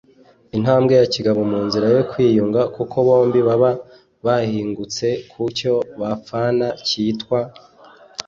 intambwe ya kigabo mu nzira yo kwiyunga kuko bombi baba bahingutse ku cyo bapfana cyitwa